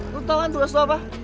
lu tau kan tugas lu apa